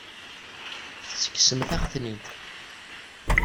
Tekksemt-aɣ-ten-id.